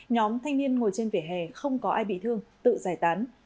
nhóm thanh niên ngồi trên vỉa hè không có ai bị thương tự giải tán